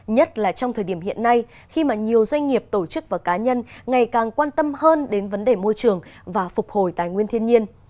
nhất là trong thời điểm hiện nay khi mà nhiều doanh nghiệp tổ chức và cá nhân ngày càng quan tâm hơn đến vấn đề môi trường và phục hồi tài nguyên thiên nhiên